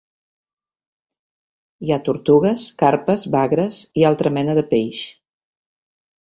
Hi ha tortugues, carpes, bagres, i altra mena de peix.